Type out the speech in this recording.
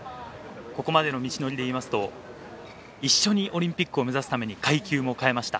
ここまでの道のりでいいますと、一緒にオリンピックを目指すために階級も変えました。